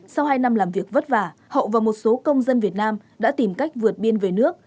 sau hai năm làm việc vất vả hậu và một số công dân việt nam đã tìm cách vượt biên về nước